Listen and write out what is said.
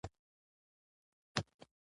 مالګه ډيره مه خوره